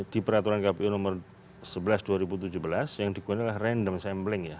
di peraturan kpu nomor sebelas dua ribu tujuh belas yang digunakan adalah random sampling ya